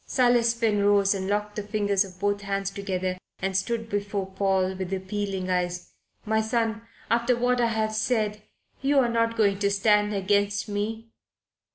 Silas Finn rose and locked the fingers of both hands together and stood before Paul, with appealing eyes. "My son, after what I have said, you are not going to stand against me?"